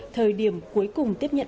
thời điểm cuối cùng tiếp nhận